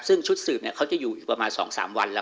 ซึ่งชุดสืบเขาจะอยู่อีกประมาณ๒๓วันแล้ว